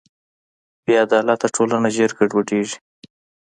بېعدالته ټولنه ژر ګډوډېږي.